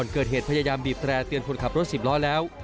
เกิดเหตุพยายามบีบแตร่เตือนคนขับรถสิบล้อแล้ว